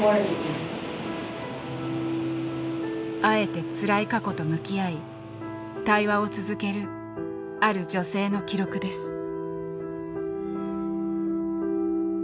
あえてつらい過去と向き合い対話を続けるある女性の記録です。